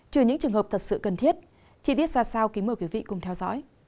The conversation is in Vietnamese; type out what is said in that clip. trừ những trường hợp thật sự cần thiết chỉ biết ra sao kính mời quý vị cùng theo dõi